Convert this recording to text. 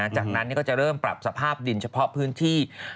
จากนั้นก็จะเริ่มปรับสภาพดินเฉพาะพื้นที่